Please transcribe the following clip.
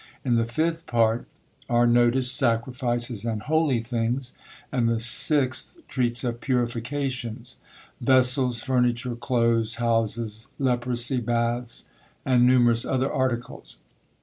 In the fifth part are noticed sacrifices and holy things; and the sixth treats of purifications; vessels; furniture; clothes; houses; leprosy; baths; and numerous other articles.